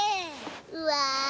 うわ。